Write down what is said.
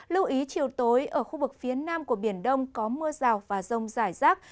lưu ý chiều tối ở khu vực phía nam của biển đông có mưa rào và rông rải rác